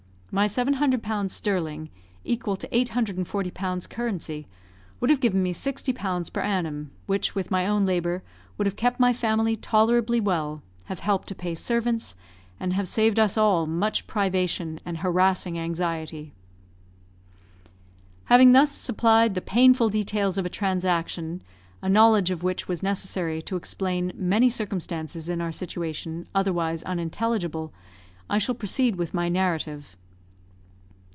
my 700 pounds sterling, equal to 840 pounds currency, would have given me 60 pounds per annum, which, with my own labour, would have kept my family tolerably well, have helped to pay servants, and have saved us all much privation and harassing anxiety. Having thus supplied the painful details of a transaction, a knowledge of which was necessary to explain many circumstances in our situation, otherwise unintelligible, I shall proceed with my narrative.